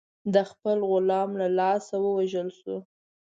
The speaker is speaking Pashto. د خپل غلام له لاسه ووژل شو.